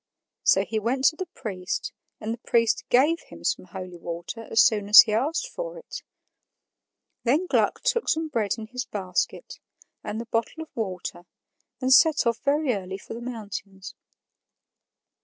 So he went to the priest, and the priest gave him some holy water as soon as he asked for it. Then Gluck took some bread in his basket, and the bottle of water, and set off very early for the mountains.